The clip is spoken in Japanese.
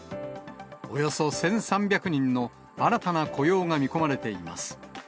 およそ１３００人の新たな雇用が見込まれています。